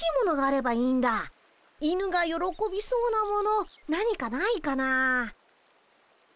犬がよろこびそうなもの何かないかな。